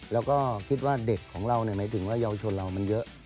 แล้วก็คิดว่าเด็กของเราหมายถึงว่าเยาวชนเรามันเยอะ